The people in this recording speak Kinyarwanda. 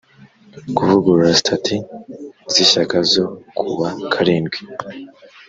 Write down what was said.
kuvugurura Sitati z Ishyaka zo ku wa karindwi